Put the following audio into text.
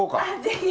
ぜひ。